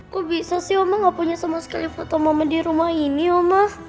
kok bisa sih oma gak punya sama sekali foto momen di rumah ini oma